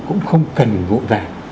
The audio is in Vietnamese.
cũng không cần gội dài